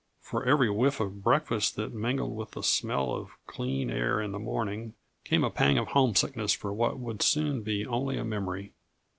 For every whiff of breakfast that mingled with the smell of clean air in the morning came a pang of homesickness for what would soon be only a memory.